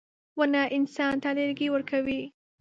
• ونه انسان ته لرګي ورکوي.